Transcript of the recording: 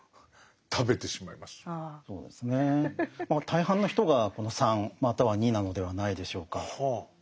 大半の人がこの３または２なのではないでしょうか。